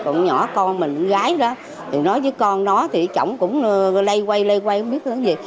còn nhỏ con mình gái đó thì nó với con nó thì chổng cũng lây quay lây quay không biết làm gì